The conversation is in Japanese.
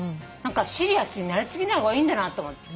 シリアスになりすぎない方がいいんだなと。